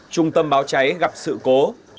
trung tâm báo cháy gặp sự cố